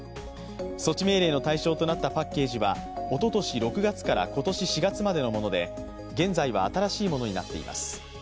措置命令の対象となるパッケージは、今年４月までのもので現在は新しいものになっています。